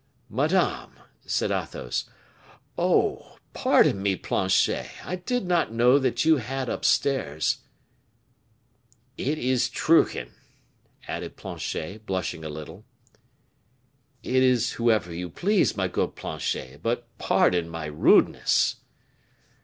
"Madame " said Athos. "Oh! pardon me, Planchet, I did not know that you had upstairs " "It is Truchen," added Planchet, blushing a little. "It is whoever you please, my good Planchet; but pardon my rudeness."